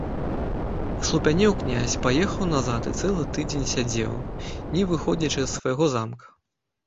Аслупянеў князь, паехаў назад і цэлы тыдзень сядзеў, не выходзячы з свайго замка.